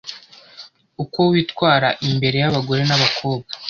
Uko witwara imbere y’abagore n’abakobwa